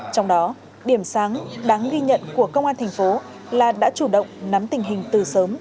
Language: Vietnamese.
trong đó điểm sáng đáng ghi nhận của công an thành phố là đã chủ động nắm tình hình từ sớm